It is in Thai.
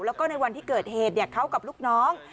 แล้วก็ในวันที่เกิดเหตุเขากับลูกน้อง